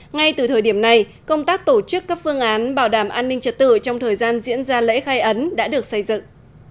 ngay từ thời điểm này công tác tổ chức các phương án bảo đảm an ninh trật tự trong thời gian diễn ra lễ khai ấn đã được xây dựng